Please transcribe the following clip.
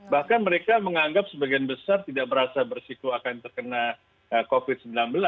bahkan mereka menganggap sebagian besar tidak merasa bersiku akan terkena covid sembilan belas